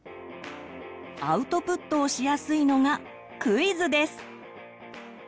アウトプットをしやすいのがクイズです。